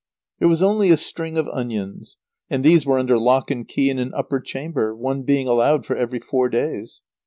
] There was only a string of onions, and these were under lock and key in an upper chamber, one being allowed for every four days.